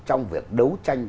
trong việc đấu tranh